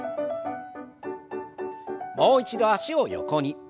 もう一度脚を横に。